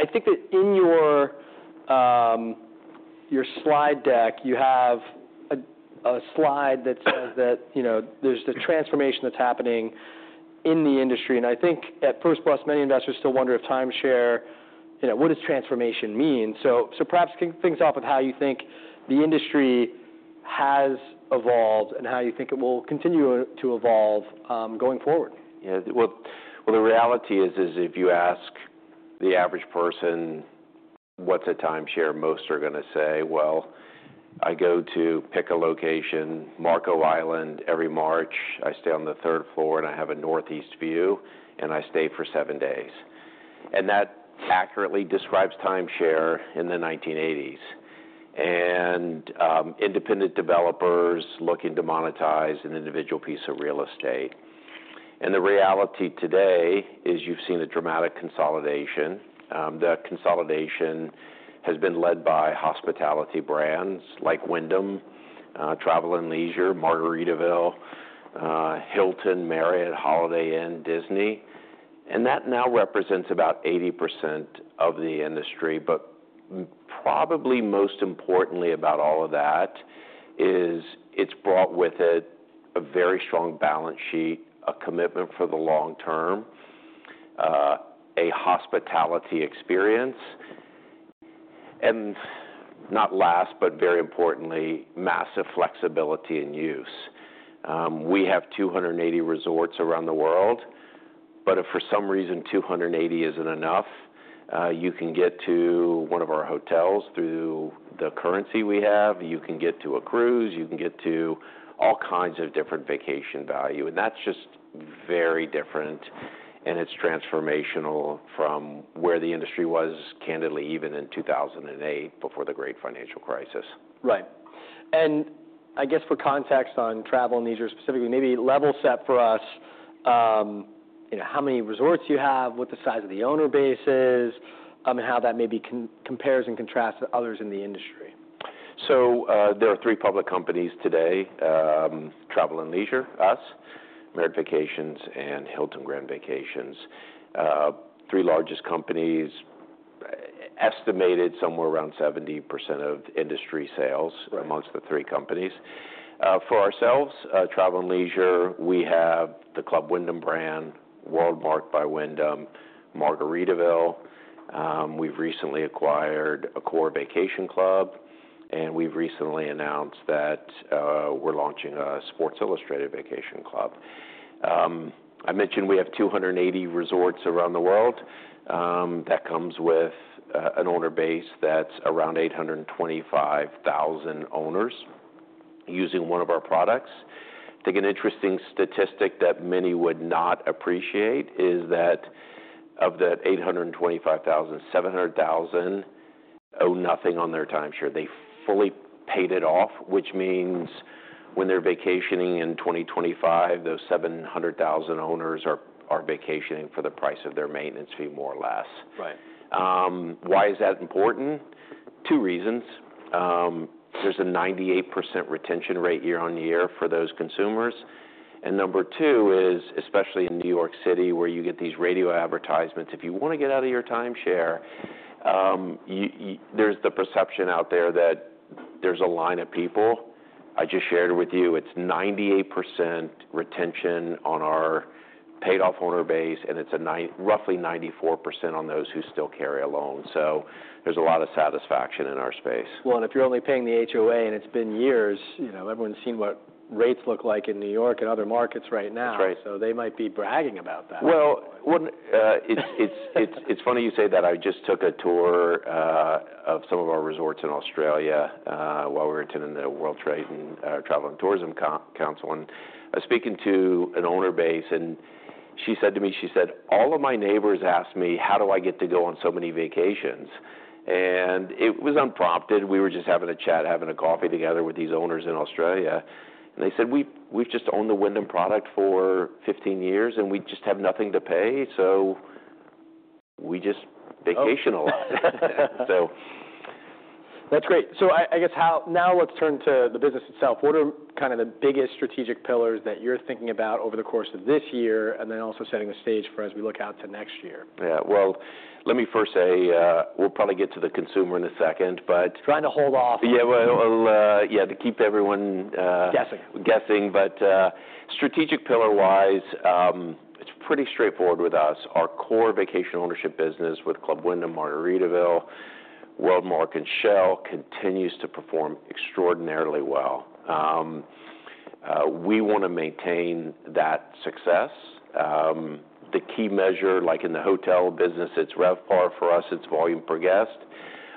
I think that in your slide deck you have a slide that says that there's the transformation that's happening in the industry. And I think at first blush many investors still wonder if timeshare, what does transformation mean? So perhaps kick things off with how you think the industry has evolved and how you think it will continue to evolve going forward. The reality is if you ask the average person, "What's a timeshare?" most are going to say, "Well, I go to pick a location, Marco Island, every March. I stay on the third floor and I have a northeast view, and I stay for seven days." That accurately describes timeshare in the 1980s and independent developers looking to monetize an individual piece of real estate. The reality today is you've seen a dramatic consolidation. The consolidation has been led by hospitality brands like Wyndham, Travel + Leisure, Margaritaville, Hilton, Marriott, Holiday Inn, Disney. That now represents about 80% of the industry. Probably most importantly about all of that is it's brought with it a very strong balance sheet, a commitment for the long term, a hospitality experience, and not last, but very importantly, massive flexibility in use. We have 280 resorts around the world, but if for some reason 280 isn't enough, you can get to one of our hotels through the currency we have. You can get to a cruise. You can get to all kinds of different vacation value. And that's just very different. And it's transformational from where the industry was, candidly, even in 2008 before the great financial crisis. Right, and I guess for context on Travel + Leisure specifically, maybe level set for us how many resorts you have, what the size of the owner base is, and how that maybe compares and contrasts with others in the industry? There are three public companies today: Travel + Leisure, us, Marriott Vacations, and Hilton Grand Vacations. The three largest companies estimated somewhere around 70% of industry sales among the three companies. For ourselves, Travel + Leisure, we have the Club Wyndham brand, WorldMark by Wyndham, Margaritaville. We've recently acquired an Encore Vacation Club, and we've recently announced that we're launching a Sports Illustrated Vacation Club. I mentioned we have 280 resorts around the world. That comes with an owner base that's around 825,000 owners using one of our products. I think an interesting statistic that many would not appreciate is that of the 825,000, 700,000 owe nothing on their timeshare. They fully paid it off, which means when they're vacationing in 2025, those 700,000 owners are vacationing for the price of their maintenance fee, more or less. Why is that important? Two reasons. There's a 98% retention rate year on year for those consumers, and number two is, especially in New York City where you get these radio advertisements, if you want to get out of your timeshare, there's the perception out there that there's a line of people. I just shared with you it's 98% retention on our paid off owner base, and it's roughly 94% on those who still carry a loan, so there's a lot of satisfaction in our space. Well, and if you're only paying the HOA and it's been years, everyone's seen what rates look like in New York and other markets right now. So they might be bragging about that. It's funny you say that. I just took a tour of some of our resorts in Australia while we were attending the World Travel & Tourism Council. I was speaking to an owner base, and she said to me, she said, "All of my neighbors asked me, how do I get to go on so many vacations?" It was unprompted. We were just having a chat, having a coffee together with these owners in Australia. They said, "We've just owned the Wyndham product for 15 years, and we just have nothing to pay. So we just vacation a lot. That's great. So I guess now let's turn to the business itself. What are kind of the biggest strategic pillars that you're thinking about over the course of this year and then also setting the stage for as we look out to next year? Yeah, well, let me first say we'll probably get to the consumer in a second, but. Trying to hold off. Yeah. To keep everyone. Guessing. Guessing. But strategic pillar wise, it's pretty straightforward with us. Our core vacation ownership business with Club Wyndham, Margaritaville, WorldMark, and Shell continues to perform extraordinarily well. We want to maintain that success. The key measure, like in the hotel business, it's RevPAR for us. It's volume per guest.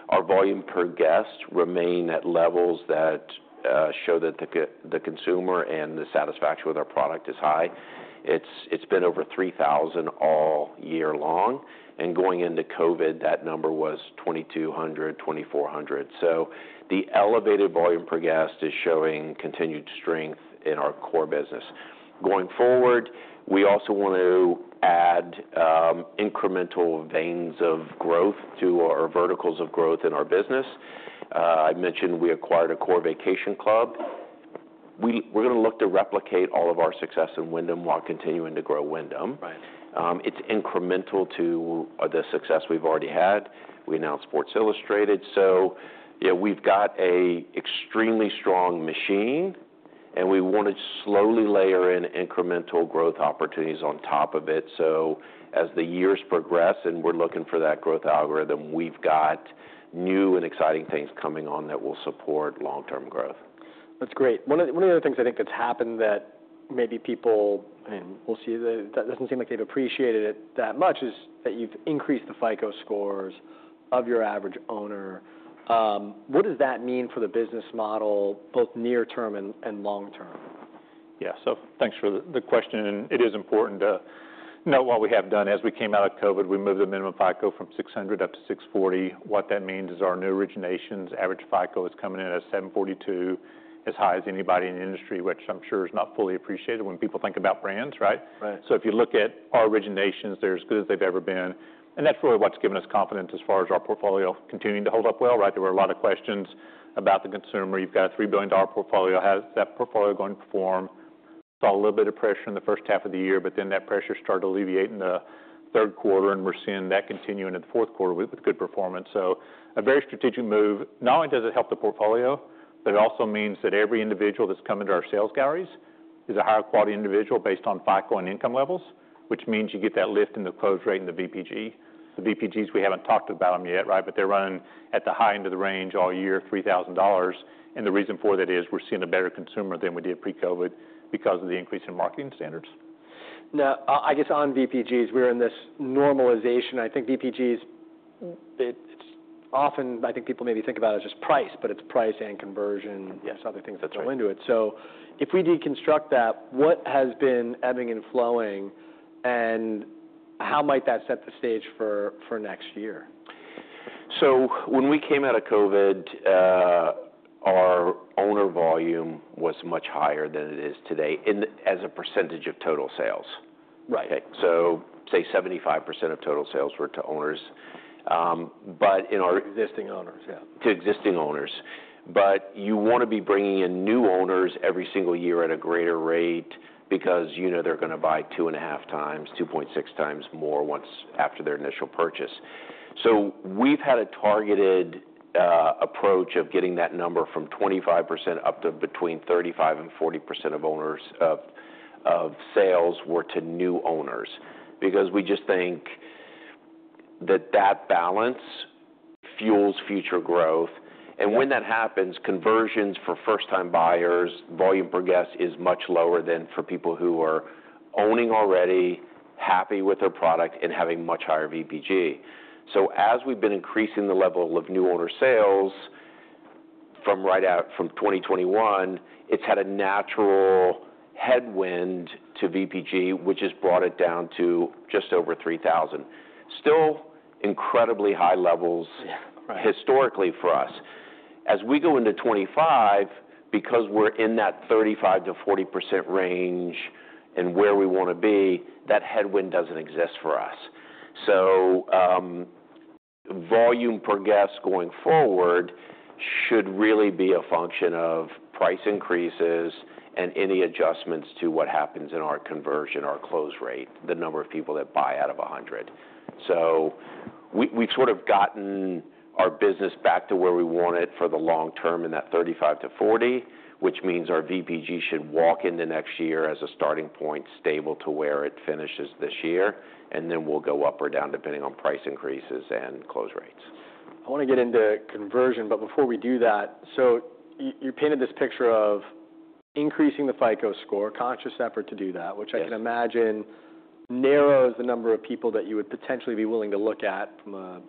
Our volume per guest remains at levels that show that the consumer and the satisfaction with our product is high. It's been over 3,000 all year long, and going into COVID, that number was 2,200, 2,400. So the elevated volume per guest is showing continued strength in our core business. Going forward, we also want to add incremental veins of growth to our verticals of growth in our business. I mentioned we acquired an Encore vacation club. We're going to look to replicate all of our success in Wyndham while continuing to grow Wyndham. It's incremental to the success we've already had. We announced Sports Illustrated. So we've got an extremely strong machine, and we want to slowly layer in incremental growth opportunities on top of it. So as the years progress and we're looking for that growth algorithm, we've got new and exciting things coming on that will support long-term growth. That's great. One of the other things I think that's happened that maybe people, and we'll see, that doesn't seem like they've appreciated it that much is that you've increased the FICO scores of your average owner. What does that mean for the business model, both near term and long term? Yeah. So thanks for the question. And it is important to note what we have done. As we came out of COVID, we moved the minimum FICO from 600 up to 640. What that means is our new originations average FICO is coming in at 742, as high as anybody in the industry, which I'm sure is not fully appreciated when people think about brands, right? So if you look at our originations, they're as good as they've ever been. And that's really what's given us confidence as far as our portfolio continuing to hold up well. There were a lot of questions about the consumer. You've got a $3 billion portfolio. How's that portfolio going to perform? Saw a little bit of pressure in the first half of the year, but then that pressure started alleviating the third quarter, and we're seeing that continue into the fourth quarter with good performance. So a very strategic move. Not only does it help the portfolio, but it also means that every individual that's coming to our sales galleries is a higher quality individual based on FICO and income levels, which means you get that lift in the close rate in the VPG. The VPGs, we haven't talked about them yet, but they're running at the high end of the range all year, $3,000. And the reason for that is we're seeing a better consumer than we did pre-COVID because of the increase in marketing standards. Now, I guess on VPGs, we're in this normalization. I think VPGs, it's often, I think people maybe think about it as just price, but it's price and conversion, other things that go into it. So if we deconstruct that, what has been ebbing and flowing, and how might that set the stage for next year? So when we came out of COVID, our owner volume was much higher than it is today as a percentage of total sales. So say 75% of total sales were to owners. To existing owners, yeah. To existing owners. But you want to be bringing in new owners every single year at a greater rate because you know they're going to buy two and a half times, 2.6 times more after their initial purchase. So we've had a targeted approach of getting that number from 25% up to between 35%-40% of sales were to new owners because we just think that that balance fuels future growth. And when that happens, conversions for first time buyers, volume per guest is much lower than for people who are owning already, happy with their product, and having much higher VPG. So as we've been increasing the level of new owner sales from 2021, it's had a natural headwind to VPG, which has brought it down to just over $3,000. Still incredibly high levels historically for us. As we go into 2025, because we're in that 35%-40% range and where we want to be, that headwind doesn't exist for us. So volume per guest going forward should really be a function of price increases and any adjustments to what happens in our conversion, our close rate, the number of people that buy out of 100. So we've sort of gotten our business back to where we want it for the long term in that 35-40, which means our VPG should walk into next year as a starting point stable to where it finishes this year. And then we'll go up or down depending on price increases and close rates. I want to get into conversion, but before we do that, so you painted this picture of increasing the FICO score, conscious effort to do that, which I can imagine narrows the number of people that you would potentially be willing to look at from a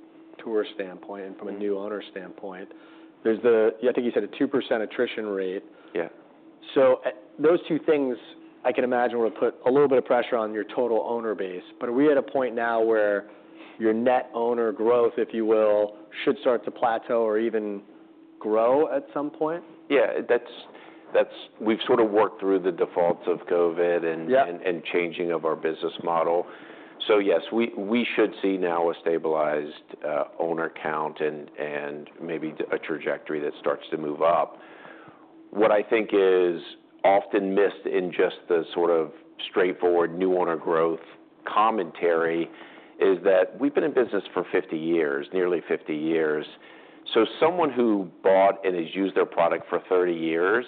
tourist standpoint and from a new owner standpoint, there's the, I think you said a 2% attrition rate, so those two things I can imagine will put a little bit of pressure on your total owner base, but are we at a point now where your net owner growth, if you will, should start to plateau or even grow at some point? Yeah. We've sort of worked through the defaults of COVID and changing of our business model. So yes, we should see now a stabilized owner count and maybe a trajectory that starts to move up. What I think is often missed in just the sort of straightforward new owner growth commentary is that we've been in business for 50 years, nearly 50 years. So someone who bought and has used their product for 30 years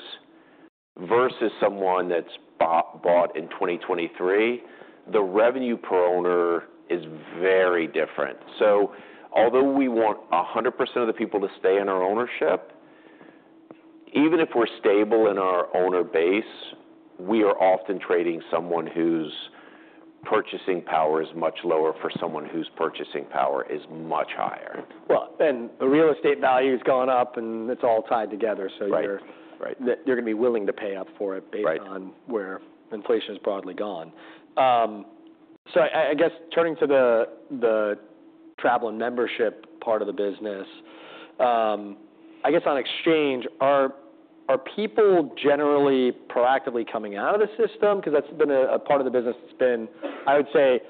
versus someone that's bought in 2023, the revenue per owner is very different. So although we want 100% of the people to stay in our ownership, even if we're stable in our owner base, we are often trading someone whose purchasing power is much lower for someone whose purchasing power is much higher. Real estate value has gone up, and it's all tied together. You're going to be willing to pay up for it based on where inflation has broadly gone. I guess turning to the Travel and Membership part of the business, I guess on exchange, are people generally proactively coming out of the system? Because that's been a part of the business that's been, I would say,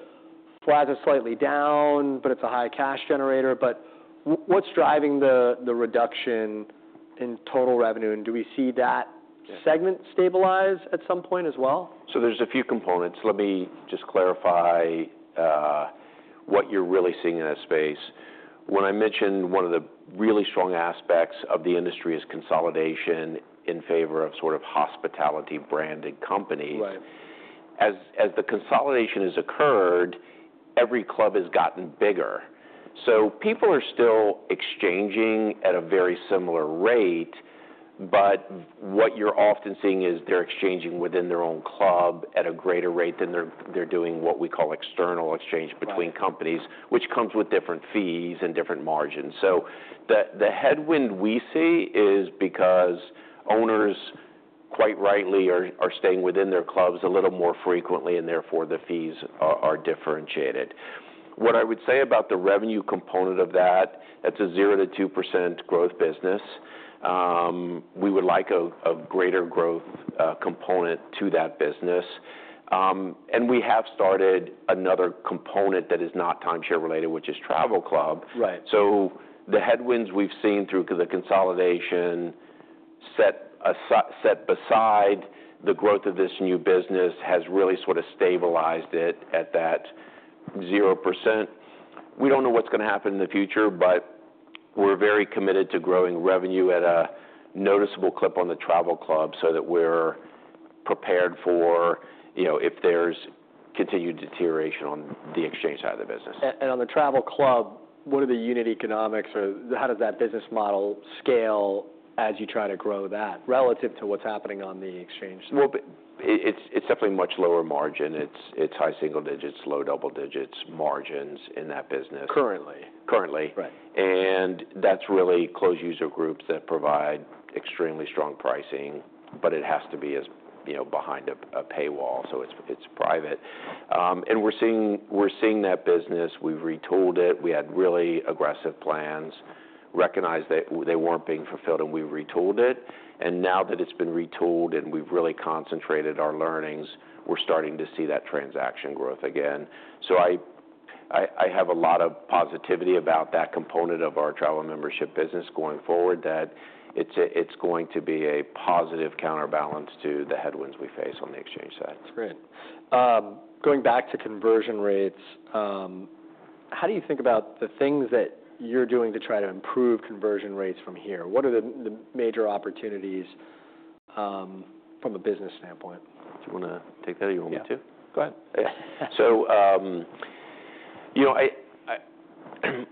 flat or slightly down, but it's a high cash generator. But what's driving the reduction in total revenue? Do we see that segment stabilize at some point as well? So there's a few components. Let me just clarify what you're really seeing in that space. When I mentioned one of the really strong aspects of the industry is consolidation in favor of sort of hospitality branded companies. As the consolidation has occurred, every club has gotten bigger. So people are still exchanging at a very similar rate, but what you're often seeing is they're exchanging within their own club at a greater rate than they're doing what we call external exchange between companies, which comes with different fees and different margins. So the headwind we see is because owners, quite rightly, are staying within their clubs a little more frequently, and therefore the fees are differentiated. What I would say about the revenue component of that, that's a 0%-2% growth business. We would like a greater growth component to that business. We have started another component that is not timeshare related, which is Travel Club. So the headwinds we've seen through the consolidation, set aside the growth of this new business, has really sort of stabilized it at that 0%. We don't know what's going to happen in the future, but we're very committed to growing revenue at a noticeable clip on the Travel Club so that we're prepared for if there's continued deterioration on the exchange side of the business. On the Travel Club, what are the unit economics? How does that business model scale as you try to grow that relative to what's happening on the exchange side? It's definitely much lower margin. It's high single digits, low double digits margins in that business. Currently. Currently, and that's really closed user groups that provide extremely strong pricing, but it has to be behind a paywall, so it's private, and we're seeing that business. We've retooled it. We had really aggressive plans, recognized that they weren't being fulfilled, and we retooled it, and now that it's been retooled and we've really concentrated our learnings, we're starting to see that transaction growth again, so I have a lot of positivity about that component of our travel membership business going forward, that it's going to be a positive counterbalance to the headwinds we face on the exchange side. That's great. Going back to conversion rates, how do you think about the things that you're doing to try to improve conversion rates from here? What are the major opportunities from a business standpoint? Do you want to take that or you want me to? Yeah. Go ahead. So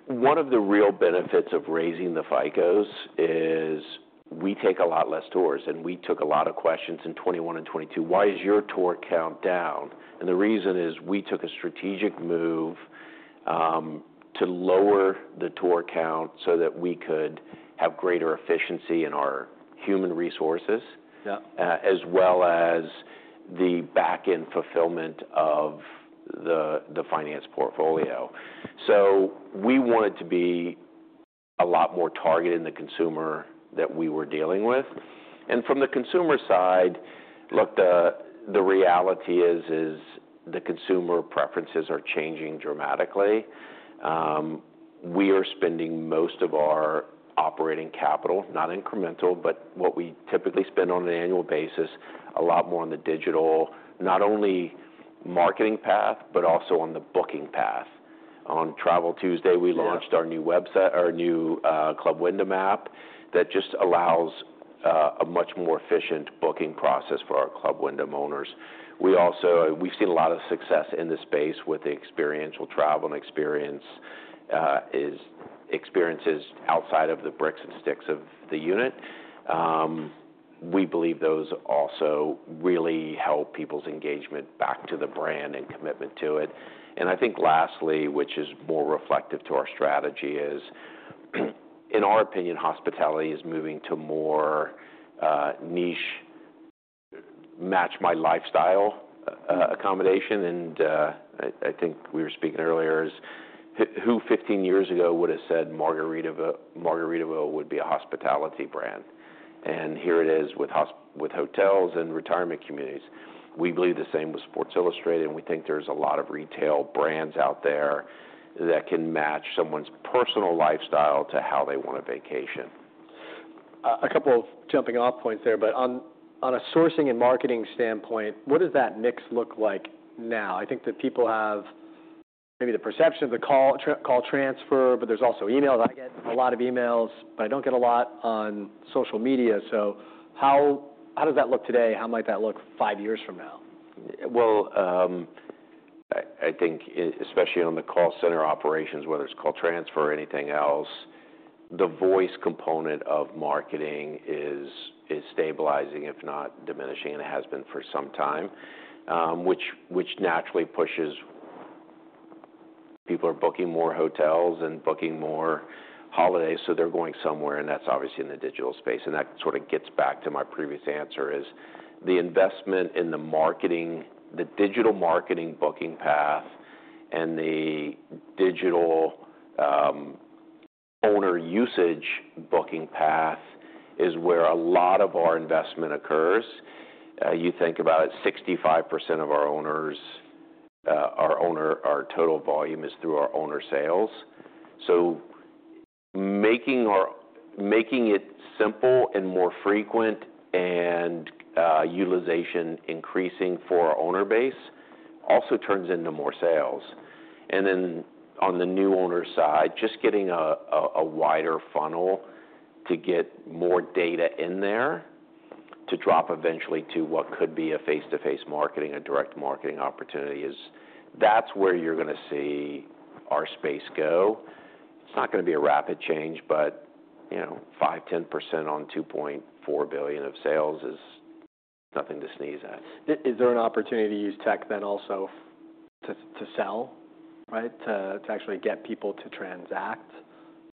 one of the real benefits of raising the FICOs is we take a lot less tours, and we took a lot of questions in 2021 and 2022. Why is your tour count down? And the reason is we took a strategic move to lower the tour count so that we could have greater efficiency in our human resources, as well as the back end fulfillment of the finance portfolio. So we wanted to be a lot more targeted in the consumer that we were dealing with. And from the consumer side, look, the reality is the consumer preferences are changing dramatically. We are spending most of our operating capital, not incremental, but what we typically spend on an annual basis, a lot more on the digital, not only marketing path, but also on the booking path. On Travel Tuesday, we launched our new Club Wyndham app that just allows a much more efficient booking process for our Club Wyndham owners. We've seen a lot of success in this space with the experiential travel and experiences outside of the bricks and sticks of the unit. We believe those also really help people's engagement back to the brand and commitment to it, and I think lastly, which is more reflective to our strategy, is in our opinion, hospitality is moving to more niche, match-my-lifestyle accommodation, and I think we were speaking earlier, as who, 15 years ago, would have said Margaritaville would be a hospitality brand, and here it is with hotels and retirement communities. We believe the same with Sports Illustrated, and we think there's a lot of retail brands out there that can match someone's personal lifestyle to how they want to vacation. A couple of jumping off points there, but on a sourcing and marketing standpoint, what does that mix look like now? I think that people have maybe the perception of the call transfer, but there's also emails. I get a lot of emails, but I don't get a lot on social media. So how does that look today? How might that look five years from now? Well, I think especially on the call center operations, whether it's call transfer or anything else, the voice component of marketing is stabilizing, if not diminishing, and it has been for some time, which naturally pushes people are booking more hotels and booking more holidays. So they're going somewhere, and that's obviously in the digital space. And that sort of gets back to my previous answer is the investment in the marketing, the digital marketing booking path, and the digital owner usage booking path is where a lot of our investment occurs. You think about it, 65% of our owners, our total volume is through our owner sales. So making it simple and more frequent and utilization increasing for our owner base also turns into more sales. Then on the new owner side, just getting a wider funnel to get more data in there to drop eventually to what could be a face-to-face marketing, a direct marketing opportunity. That's where you're going to see our space go. It's not going to be a rapid change, but 5%-10% on $2.4 billion of sales is nothing to sneeze at. Is there an opportunity to use tech then also to sell, right, to actually get people to transact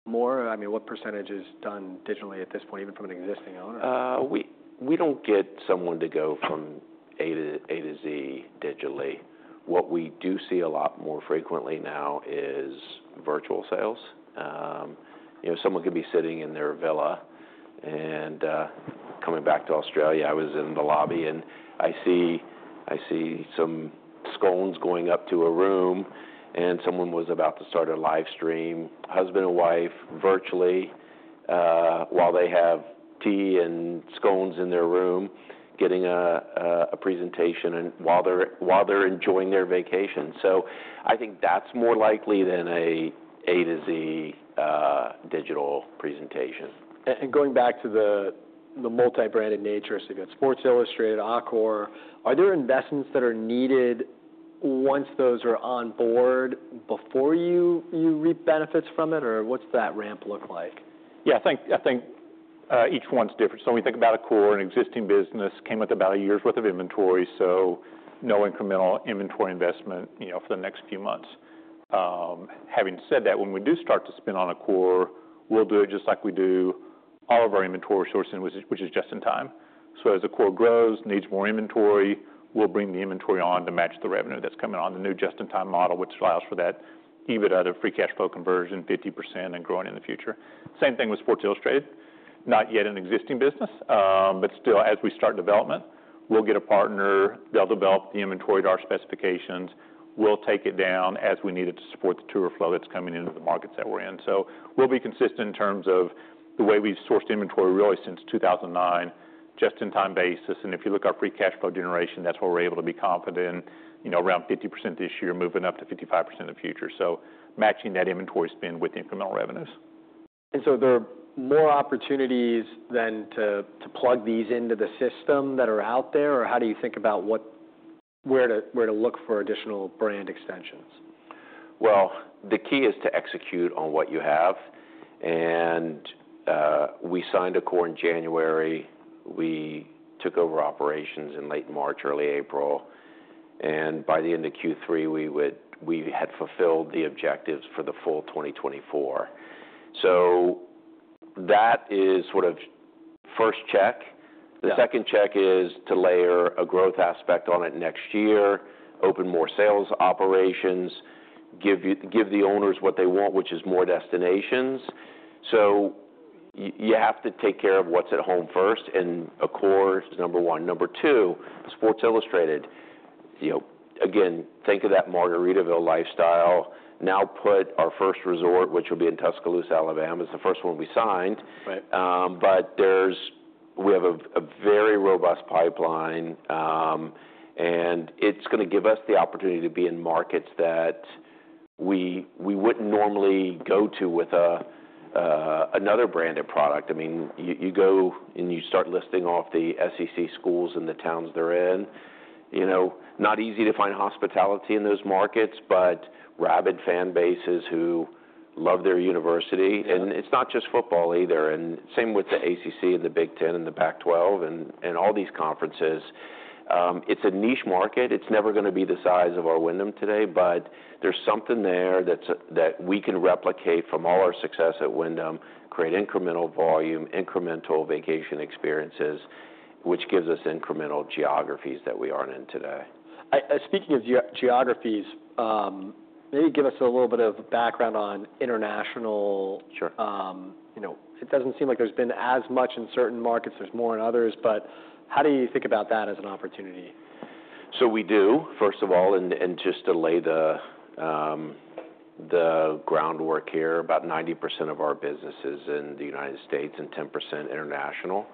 more? I mean, what % is done digitally at this point, even from an existing owner? We don't get someone to go from A to Z digitally. What we do see a lot more frequently now is virtual sales. Someone could be sitting in their villa, and coming back to Australia, I was in the lobby and I see some scones going up to a room and someone was about to start a live stream, husband and wife virtually while they have tea and scones in their room, getting a presentation while they're enjoying their vacation. So I think that's more likely than an A to Z digital presentation. Going back to the multi-branded nature, so you've got Sports Illustrated, Encore. Are there investments that are needed once those are on board before you reap benefits from it, or what's that ramp look like? Yeah, I think each one's different. So when we think about Encore, an existing business came with about a year's worth of inventory. So no incremental inventory investment for the next few months. Having said that, when we do start to spin on Encore, we'll do it just like we do all of our inventory sourcing, which is just in time. So as Encore grows, needs more inventory, we'll bring the inventory on to match the revenue that's coming on the new just in time model, which allows for that EBITDA of free cash flow conversion, 50% and growing in the future. Same thing with Sports Illustrated. Not yet an existing business, but still as we start development, we'll get a partner, they'll develop the inventory to our specifications, we'll take it down as we need it to support the tour flow that's coming into the markets that we're in. So we'll be consistent in terms of the way we've sourced inventory really since 2009, just in time basis. And if you look at our free cash flow generation, that's where we're able to be confident around 50% this year, moving up to 55% in the future. So matching that inventory spend with incremental revenues. There are more opportunities than to plug these into the system that are out there, or how do you think about where to look for additional brand extensions? The key is to execute on what you have, and we signed Encore in January. We took over operations in late March, early April, and by the end of Q3, we had fulfilled the objectives for the full 2024, so that is sort of first check. The second check is to layer a growth aspect on it next year, open more sales operations, give the owners what they want, which is more destinations, so you have to take care of what's at home first, and Encore is number one. Number two, Sports Illustrated. Again, think of that Margaritaville lifestyle. Now put our first resort, which will be in Tuscaloosa, Alabama, is the first one we signed. But we have a very robust pipeline, and it's going to give us the opportunity to be in markets that we wouldn't normally go to with another branded product. I mean, you go and you start listing off the SEC schools and the towns they're in. Not easy to find hospitality in those markets, but rabid fan bases who love their university. And it's not just football either. And same with the ACC and the Big Ten and the Pac-12 and all these conferences. It's a niche market. It's never going to be the size of our Wyndham today, but there's something there that we can replicate from all our success at Wyndham, create incremental volume, incremental vacation experiences, which gives us incremental geographies that we aren't in today. Speaking of geographies, maybe give us a little bit of background on international. It doesn't seem like there's been as much in certain markets. There's more in others, but how do you think about that as an opportunity? So we do, first of all, and just to lay the groundwork here, about 90% of our business is in the United States and 10% international.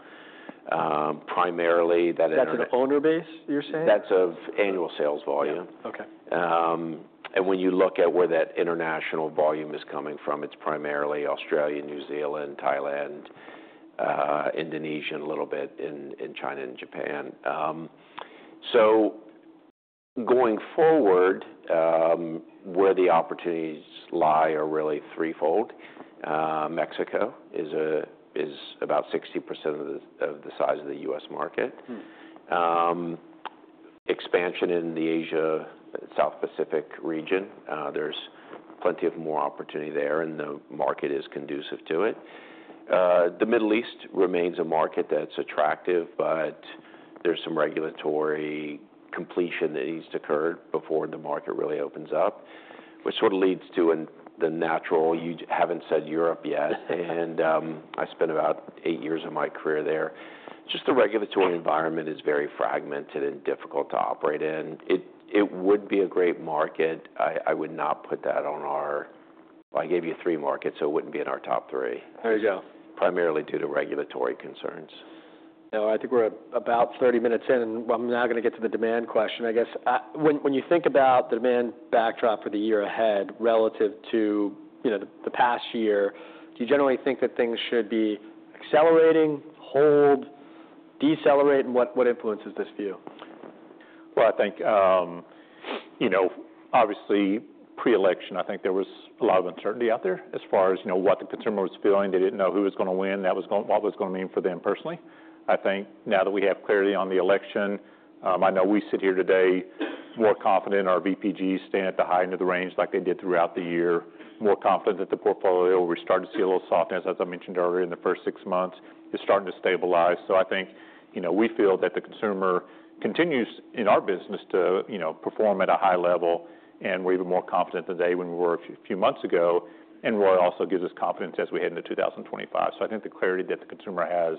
Primarily that. That's an owner base, you're saying? That's of annual sales volume. And when you look at where that international volume is coming from, it's primarily Australia, New Zealand, Thailand, Indonesia, and a little bit in China and Japan. So going forward, where the opportunities lie are really threefold. Mexico is about 60% of the size of the U.S. market. Expansion in the Asia-South Pacific region. There's plenty of more opportunity there, and the market is conducive to it. The Middle East remains a market that's attractive, but there's some regulatory completion that needs to occur before the market really opens up, which sort of leads to the natural, you haven't said Europe yet, and I spent about eight years of my career there. Just the regulatory environment is very fragmented and difficult to operate in. It would be a great market. I would not put that on our. I gave you three markets, so it wouldn't be in our top three. There you go. Primarily due to regulatory concerns. Now, I think we're about 30 minutes in, and I'm now going to get to the demand question. I guess when you think about the demand backdrop for the year ahead relative to the past year, do you generally think that things should be accelerating, hold, decelerate, and what influences this view? I think obviously pre-election, I think there was a lot of uncertainty out there as far as what the consumer was feeling. They didn't know who was going to win, what was going to mean for them personally. I think now that we have clarity on the election, I know we sit here today more confident in our VPGs staying at the high end of the range like they did throughout the year, more confident that the portfolio, we're starting to see a little softness, as I mentioned earlier, in the first six months, is starting to stabilize. I think we feel that the consumer continues in our business to perform at a high level, and we're even more confident today than we were a few months ago, and Roy also gives us confidence as we head into 2025. So I think the clarity that the consumer has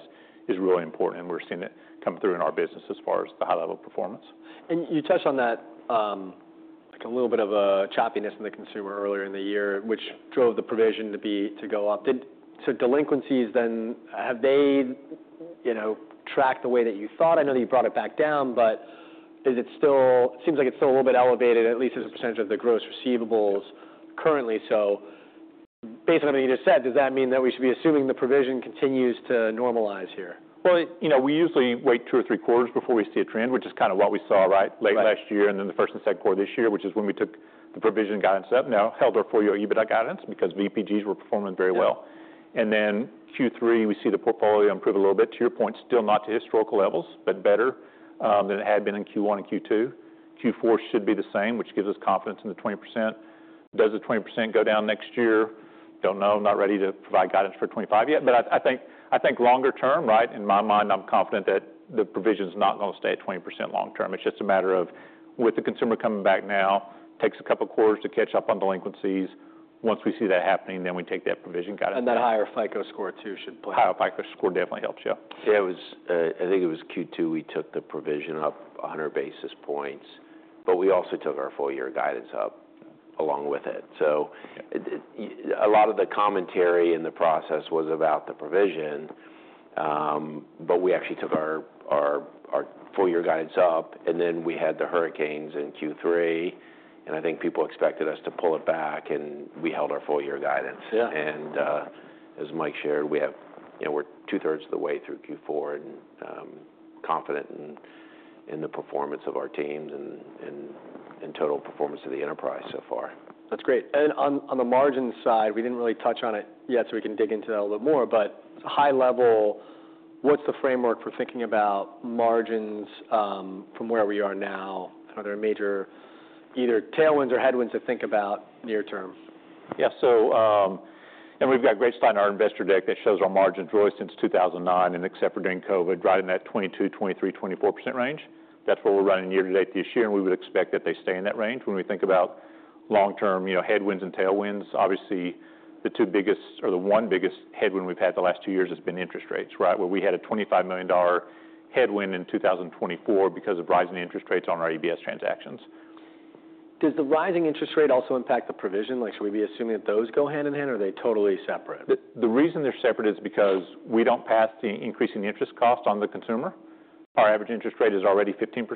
is really important, and we're seeing it come through in our business as far as the high-level performance. And you touched on that, like a little bit of a choppiness in the consumer earlier in the year, which drove the provision to go up. So delinquencies then, have they tracked the way that you thought? I know that you brought it back down, but it seems like it's still a little bit elevated, at least as a percentage of the gross receivables currently. So based on what you just said, does that mean that we should be assuming the provision continues to normalize here? We usually wait two or three quarters before we see a trend, which is kind of what we saw right last year and then the first and second quarter this year, which is when we took the provision guidance up, now held our four-year EBITDA guidance because VPGs were performing very well. Then Q3, we see the portfolio improve a little bit. To your point, still not to historical levels, but better than it had been in Q1 and Q2. Q4 should be the same, which gives us confidence in the 20%. Does the 20% go down next year? Don't know. I'm not ready to provide guidance for 2025 yet, but I think longer term, right, in my mind, I'm confident that the provision is not going to stay at 20% long term. It's just a matter of with the consumer coming back now. It takes a couple of quarters to catch up on delinquencies. Once we see that happening, then we take that provision guidance. That higher FICO score too should play. Higher FICO score definitely helps, yeah. Yeah, I think it was Q2 we took the provision up 100 basis points, but we also took our four-year guidance up along with it. So a lot of the commentary in the process was about the provision, but we actually took our four-year guidance up, and then we had the hurricanes in Q3, and I think people expected us to pull it back, and we held our four-year guidance. And as Mike shared, we're two-thirds of the way through Q4 and confident in the performance of our teams and total performance of the enterprise so far. That's great, and on the margin side, we didn't really touch on it yet, so we can dig into that a little bit more, but it's a high level, what's the framework for thinking about margins from where we are now? Are there major either tailwinds or headwinds to think about near term? Yeah, so we've got great stuff in our investor deck that shows our margin's really since 2009, and except for during COVID, right in that 22%-24% range. That's where we're running year to date this year, and we would expect that they stay in that range. When we think about long-term headwinds and tailwinds, obviously the two biggest or the one biggest headwind we've had the last two years has been interest rates, right? Where we had a $25 million headwind in 2024 because of rising interest rates on our ABS transactions. Does the rising interest rate also impact the provision? Like, should we be assuming that those go hand in hand, or are they totally separate? The reason they're separate is because we don't pass the increasing interest cost on the consumer. Our average interest rate is already 15%,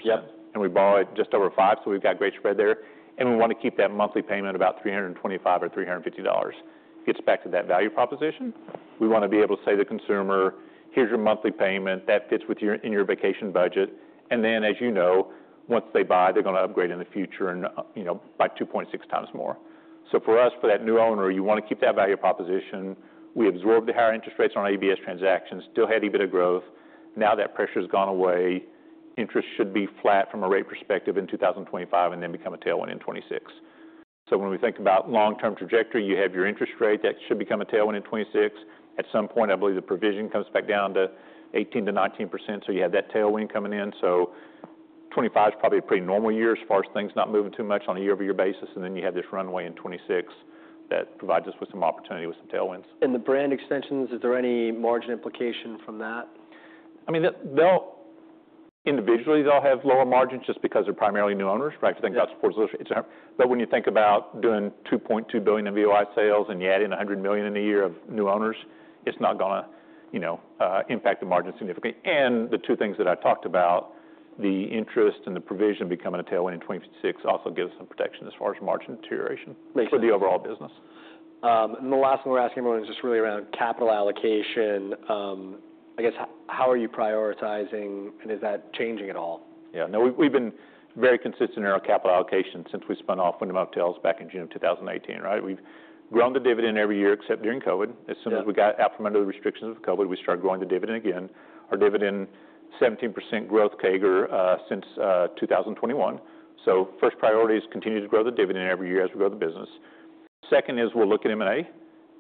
and we borrow it just over five, so we've got great spread there, and we want to keep that monthly payment about $325 or $350. It gets back to that value proposition. We want to be able to say to the consumer, "Here's your monthly payment. That fits in your vacation budget," and then, as you know, once they buy, they're going to upgrade in the future and buy 2.6 times more, so for us, for that new owner, you want to keep that value proposition. We absorbed the higher interest rates on our ABS transactions, still had EBITDA growth. Now that pressure has gone away. Interest should be flat from a rate perspective in 2025 and then become a tailwind in 2026. So when we think about long-term trajectory, you have your interest rate that should become a tailwind in 2026. At some point, I believe the provision comes back down to 18%-19%, so you have that tailwind coming in. So 2025 is probably a pretty normal year as far as things not moving too much on a year-over-year basis, and then you have this runway in 2026 that provides us with some opportunity with some tailwinds. The brand extensions, is there any margin implication from that? I mean, individually, they'll have lower margins just because they're primarily new owners, right? If you think about Sports Illustrated, but when you think about doing $2.2 billion in VOI sales and you're adding $100 million in a year of new owners, it's not going to impact the margin significantly, and the two things that I talked about, the interest and the provision becoming a tailwind in 2026, also gives us some protection as far as margin deterioration for the overall business. The last thing we're asking everyone is just really around capital allocation. I guess, how are you prioritizing, and is that changing at all? Yeah, no, we've been very consistent in our capital allocation since we spun off Wyndham Hotels back in June of 2018, right? We've grown the dividend every year except during COVID. As soon as we got out from under the restrictions of COVID, we started growing the dividend again. Our dividend, 17% growth CAGR since 2021. So first priority is continue to grow the dividend every year as we grow the business. Second is we'll look at M&A.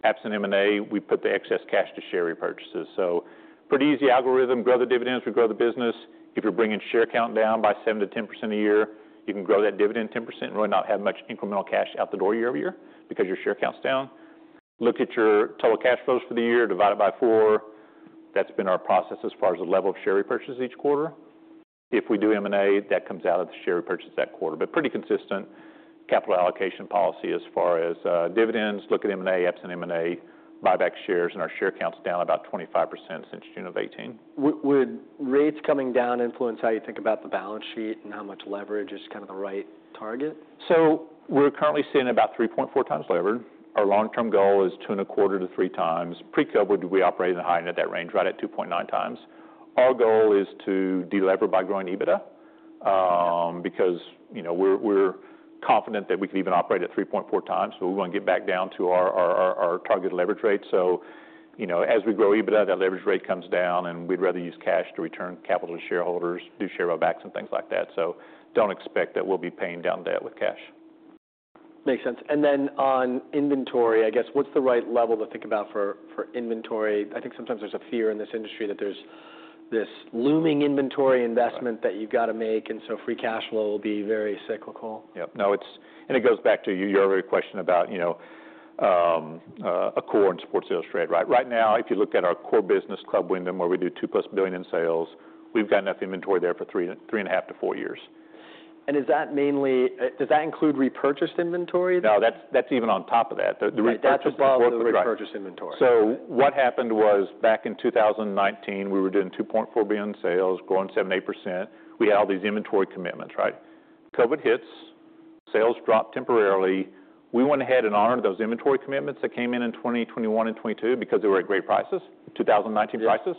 Absent M&A, we put the excess cash to share repurchases. So pretty easy algorithm, grow the dividends, we grow the business. If you're bringing share count down by 7%-10% a year, you can grow that dividend 10% and really not have much incremental cash out the door year over year because your share count's down. Look at your total cash flows for the year, divide it by four. That's been our process as far as the level of share repurchases each quarter. If we do M&A, that comes out of the share repurchase that quarter, but pretty consistent capital allocation policy as far as dividends. Look at M&A, absent M&A, buyback shares, and our share count's down about 25% since June of 2018. Would rates coming down influence how you think about the balance sheet and how much leverage is kind of the right target? So we're currently sitting about 3.4 times levered. Our long-term goal is two and a quarter to three times. Pre-COVID, we operated in the high end of that range, right at 2.9 times. Our goal is to delever by growing EBITDA because we're confident that we could even operate at 3.4 times, but we want to get back down to our target leverage rate. So as we grow EBITDA, that leverage rate comes down, and we'd rather use cash to return capital to shareholders, do share buybacks, and things like that. So don't expect that we'll be paying down debt with cash. Makes sense. And then on inventory, I guess, what's the right level to think about for inventory? I think sometimes there's a fear in this industry that there's this looming inventory investment that you've got to make, and so free cash flow will be very cyclical. Yep. No, and it goes back to your earlier question about a core in Sports Illustrated, right? Right now, if you look at our core business, Club Wyndham, where we do $2+ billion in sales, we've got enough inventory there for three and a half to four years. Does that include repurchased inventory? No, that's even on top of that. That's above the repurchased inventory. So what happened was back in 2019, we were doing $2.4 billion sales, growing 7%-8%. We had all these inventory commitments, right? COVID hits, sales dropped temporarily. We went ahead and honored those inventory commitments that came in in 2021 and 2022 because they were at great prices, 2019 prices.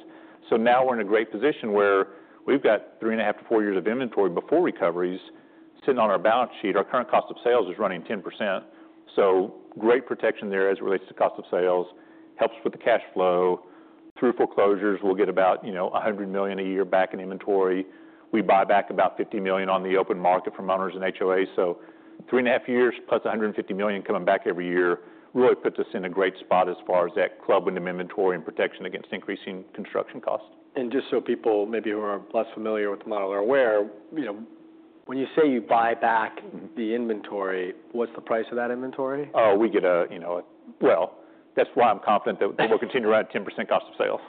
So now we're in a great position where we've got three and a half to four years of inventory before recoveries sitting on our balance sheet. Our current cost of sales is running 10%. So great protection there as it relates to cost of sales, helps with the cash flow. Through foreclosures, we'll get about $100 million a year back in inventory. We buy back about $50 million on the open market from owners and HOA. So three and a half years plus $150 million coming back every year really puts us in a great spot as far as that Club Wyndham inventory and protection against increasing construction costs. Just so people maybe who are less familiar with the model are aware, when you say you buy back the inventory, what's the price of that inventory? That's why I'm confident that we'll continue to run at 10% Cost of Sales,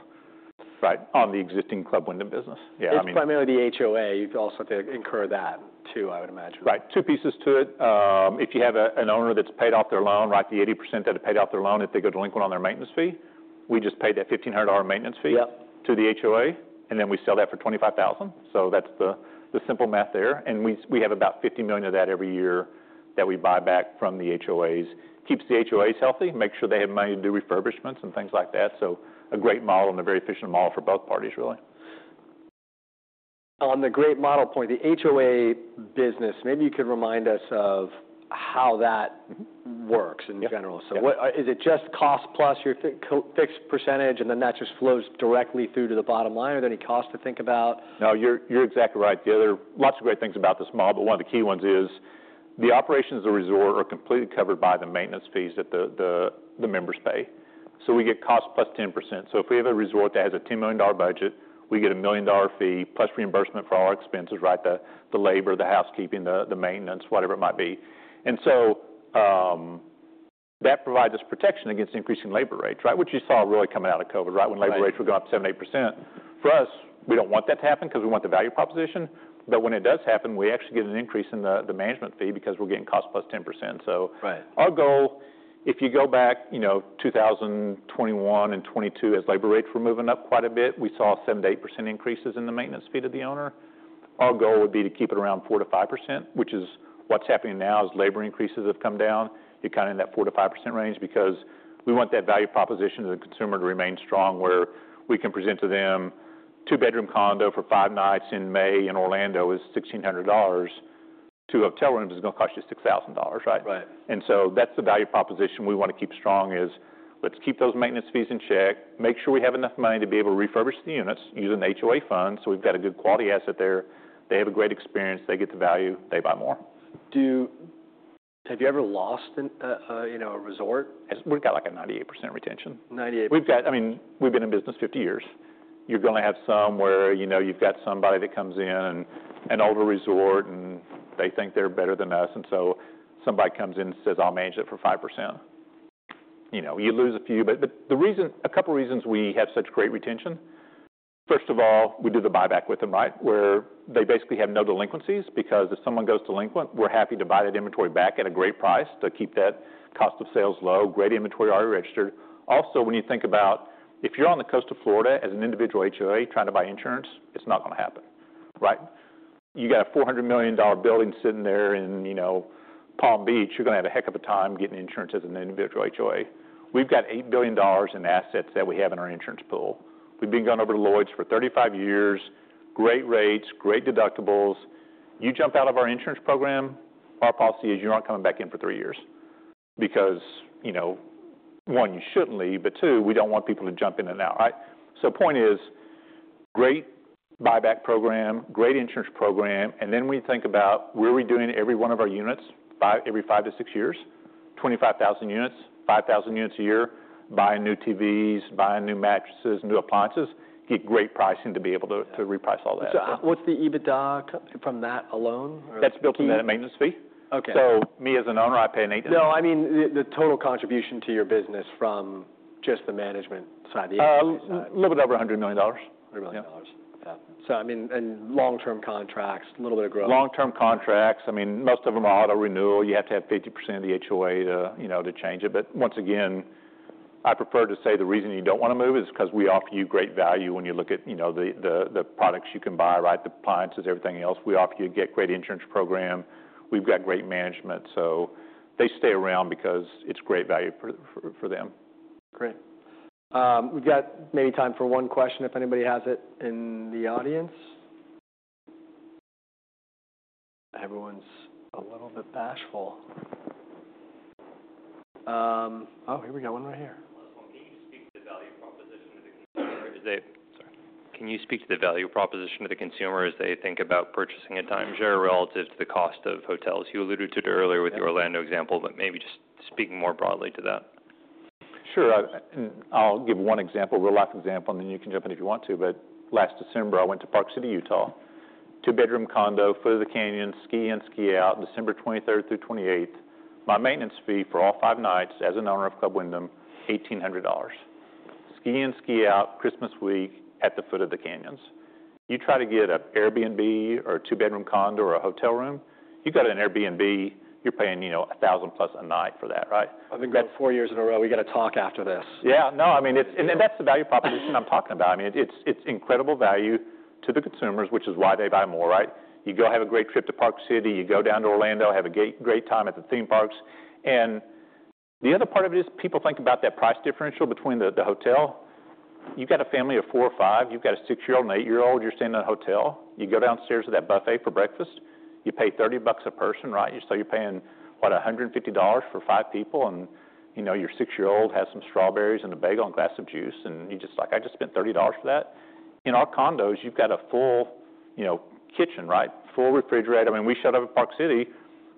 right, on the existing Club Wyndham business. Yeah, I mean. It's primarily the HOA. You also have to incur that too, I would imagine. Right. Two pieces to it. If you have an owner that's paid off their loan, right, the 80% that have paid off their loan, if they go delinquent on their maintenance fee, we just paid that $1,500 maintenance fee to the HOA, and then we sell that for $25,000. So that's the simple math there. And we have about $50 million of that every year that we buy back from the HOAs. Keeps the HOAs healthy, makes sure they have money to do refurbishments and things like that. So a great model and a very efficient model for both parties, really. On the great model point, the HOA business, maybe you could remind us of how that works in general. So is it just cost plus your fixed percentage, and then that just flows directly through to the bottom line? Are there any costs to think about? No, you're exactly right. There are lots of great things about this model, but one of the key ones is the operations of the resort are completely covered by the maintenance fees that the members pay. So we get cost plus 10%. So if we have a resort that has a $10 million budget, we get a $1 million fee plus reimbursement for all our expenses, right? The labor, the housekeeping, the maintenance, whatever it might be. And so that provides us protection against increasing labor rates, right? Which you saw really coming out of COVID, right? When labor rates were going up 7%, 8%. For us, we don't want that to happen because we want the value proposition, but when it does happen, we actually get an increase in the management fee because we're getting cost plus 10%. Our goal, if you go back to 2021 and 2022, as labor rates were moving up quite a bit, we saw 7%-8% increases in the maintenance fee to the owner. Our goal would be to keep it around 4%-5%, which is what's happening now as labor increases have come down. You're kind of in that 4%-5% range because we want that value proposition to the consumer to remain strong where we can present to them a two-bedroom condo for five nights in May in Orlando is $1,600. Two hotel rooms is going to cost you $6,000, right? And so that's the value proposition we want to keep strong is let's keep those maintenance fees in check, make sure we have enough money to be able to refurbish the units, use an HOA fund so we've got a good quality asset there. They have a great experience. They get the value. They buy more. Have you ever lost a resort? We've got like a 98% retention. 98%. I mean, we've been in business 50 years. You're going to have somewhere you've got somebody that comes in, an older resort, and they think they're better than us. And so somebody comes in and says, "I'll manage it for 5%." You lose a few, but a couple of reasons we have such great retention. First of all, we do the buyback with them, right? Where they basically have no delinquencies because if someone goes delinquent, we're happy to buy that inventory back at a great price to keep that cost of sales low, great inventory already registered. Also, when you think about if you're on the coast of Florida as an individual HOA trying to buy insurance, it's not going to happen, right? You got a $400 million building sitting there in Palm Beach. You're going to have a heck of a time getting insurance as an individual HOA. We've got $8 billion in assets that we have in our insurance pool. We've been going over to Lloyd's for 35 years, great rates, great deductibles. You jump out of our insurance program, our policy is you aren't coming back in for three years because, one, you shouldn't leave, but two, we don't want people to jump in and out, right? So point is great buyback program, great insurance program. And then when you think about where we're doing every one of our units every five to six years, 25,000 units, 5,000 units a year, buying new TVs, buying new mattresses, new appliances, get great pricing to be able to reprice all that. So what's the EBITDA from that alone? That's built into that maintenance fee. So me as an owner, I pay an 8%. No, I mean the total contribution to your business from just the management side. A little bit over $100 million. $100 million. Yeah. So I mean, and long-term contracts, a little bit of growth. Long-term contracts, I mean, most of them are auto renewal. You have to have 50% of the HOA to change it. But once again, I prefer to say the reason you don't want to move is because we offer you great value when you look at the products you can buy, right? The appliances, everything else. We offer you a great insurance program. We've got great management. So they stay around because it's great value for them. Great. We've got maybe time for one question if anybody has it in the audience. Everyone's a little bit bashful. Oh, here we go. One right here. Can you speak to the value proposition of the consumer? Can you speak to the value proposition of the consumer as they think about purchasing a timeshare relative to the cost of hotels? You alluded to it earlier with your Orlando example, but maybe just speaking more broadly to that. Sure. I'll give one example, real life example, and then you can jump in if you want to, but last December, I went to Park City, Utah, two-bedroom condo, foot of the canyon, ski in ski out, December 23rd through 28th. My maintenance fee for all five nights as an owner of Club Wyndham, $1,800. Ski in ski out, Christmas week at the foot of the Canyons. You try to get an Airbnb or a two-bedroom condo or a hotel room, you got an Airbnb, you're paying $1,000 plus a night for that, right? I've been gone four years in a row. We got to talk after this. Yeah. No, I mean, and that's the value proposition I'm talking about. I mean, it's incredible value to the consumers, which is why they buy more, right? You go have a great trip to Park City, you go down to Orlando, have a great time at the theme parks. And the other part of it is people think about that price differential between the hotel. You've got a family of four or five. You've got a six-year-old and an eight-year-old. You're staying in a hotel. You go downstairs to that buffet for breakfast. You pay 30 bucks a person, right? So you're paying, what, $150 for five people, and your six-year-old has some strawberries and a bagel and a glass of juice, and you're just like, "I just spent $30 for that." In our condos, you've got a full kitchen, right? Full refrigerator. I mean, we stay up at Park City.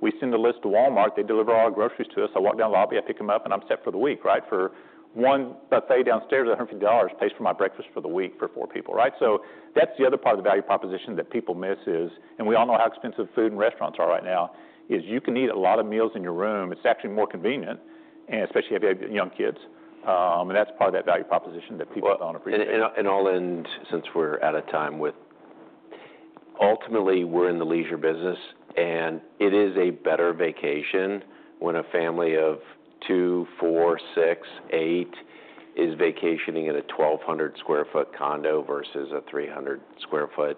We send a list to Walmart. They deliver all our groceries to us. I walk down the lobby. I pick them up, and I'm set for the week, right? For one buffet downstairs at $150, pays for my breakfast for the week for four people, right? So that's the other part of the value proposition that people miss is, and we all know how expensive food and restaurants are right now, is you can eat a lot of meals in your room. It's actually more convenient, especially if you have young kids. And that's part of that value proposition that people don't appreciate. And I'll end since we're out of time with ultimately, we're in the leisure business, and it is a better vacation when a family of two, four, six, eight is vacationing in a 1,200 sq ft condo versus a 300 sq ft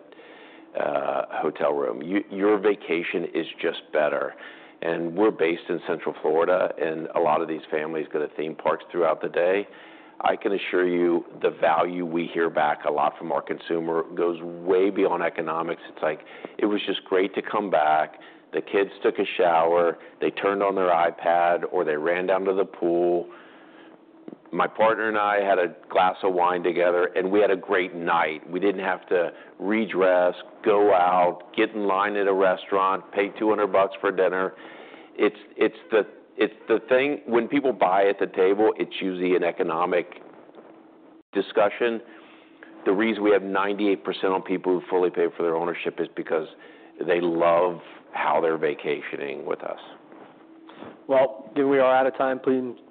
hotel room. Your vacation is just better. And we're based in Central Florida, and a lot of these families go to theme parks throughout the day. I can assure you the value we hear back a lot from our consumer goes way beyond economics. It's like, "It was just great to come back. The kids took a shower. They turned on their iPad or they ran down to the pool. My partner and I had a glass of wine together, and we had a great night. We didn't have to dress, go out, get in line at a restaurant, pay $200 for dinner." It's the thing when people buy at the table; it's usually an economic discussion. The reason we have 98% of people who fully pay for their ownership is because they love how they're vacationing with us. We are out of time.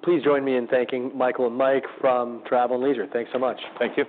Please join me in thanking Michael and Mike from Travel + Leisure. Thanks so much. Thank you.